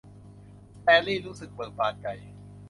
สแตนลีย์รู้สึกเบิกบานใจ